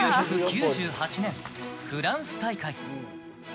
１９９８年、フランス大会。